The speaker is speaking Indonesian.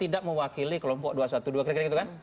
tidak mewakili kelompok dua ratus dua belas kira kira gitu kan